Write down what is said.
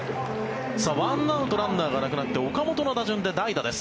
１アウト、ランナーがなくなって岡本の打順で代打です。